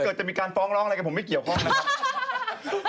ถ้าเกิดจะมีการฟ้องร้องอะไรกับผมไม่เกี่ยวข้อมูลนะ